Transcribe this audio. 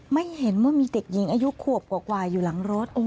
ไม่เห็นว่ามีเด็กหญิงอายุขวบกว่าอยู่หลังรถ